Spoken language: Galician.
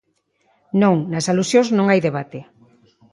Non, nas alusións non hai debate.